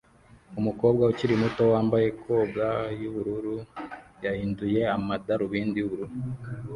Umukobwa ukiri muto wambaye koga yubururu yahinduye amadarubindi yubururu